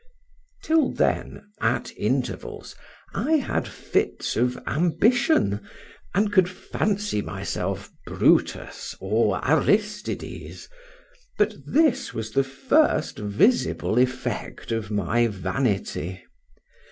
Till then, at intervals, I had fits of ambition, and could fancy myself Brutus or Aristides, but this was the first visible effect of my vanity.